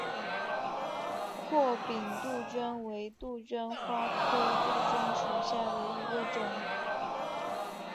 阔柄杜鹃为杜鹃花科杜鹃属下的一个种。